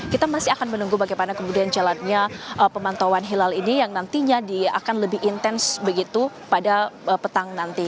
kita masih akan menunggu bagaimana kemudian jalannya pemantauan hilal ini yang nantinya akan lebih intens begitu pada petang nanti